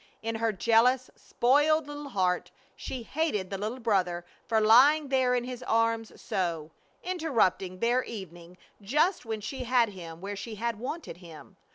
In her jealous, spoiled, little heart she hated the little brother for lying there in his arms so, interrupting their evening just when she had him where she had wanted him.